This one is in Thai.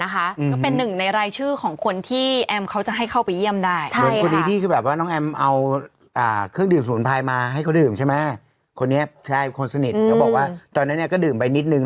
เขาบอกว่าตอนนั้นเนี่ยก็ดื่มไปนิดนึง